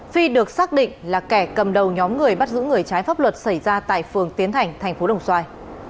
phi được xác định là kẻ cầm đầu nhóm người bắt giữ người trái pháp luật xảy ra tại phường tiến thành thành phố đồng xoài